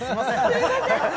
すいません